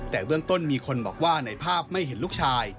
แต่เบื้องต้นมีคนบอกว่าในภาพไม่เห็นลูกชาย